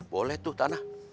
boleh tuh tanah